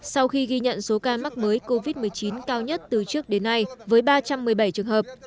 sau khi ghi nhận số ca mắc mới covid một mươi chín cao nhất từ trước đến nay với ba trăm một mươi bảy trường hợp